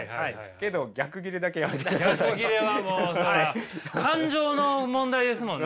けど逆ギレはもう感情の問題ですもんね。